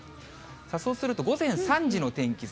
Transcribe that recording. そうすると、午前３時の天気図。